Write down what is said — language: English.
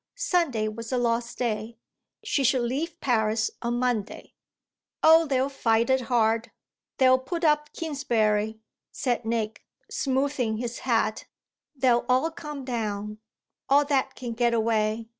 Sunday was a lost day; she should leave Paris on Monday. "Oh they'll fight it hard; they'll put up Kingsbury," said Nick, smoothing his hat. "They'll all come down all that can get away.